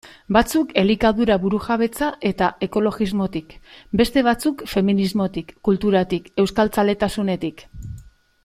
Batzuk elikadura burujabetza eta ekologismotik, beste batzuk feminismotik, kulturatik, euskaltzaletasunetik...